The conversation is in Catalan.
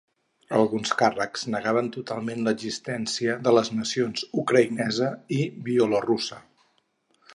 Alguns càrrecs negaven totalment l'existència de les nacions ucraïnesa i bielorussa.